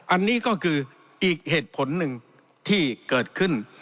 อันนี้ก็คืออีกเหตุผลหนึ่งที่เกิดขึ้น